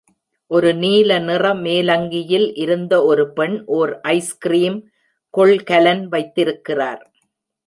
ஒரு நீல நிற மேலங்கியில் இருந்த ஒரு பெண் ஓர் ஐஸ்கிரீம் கொள்கலன் வைத்திருக்கிறார்